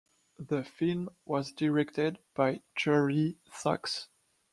The film was directed by Jerry Zaks.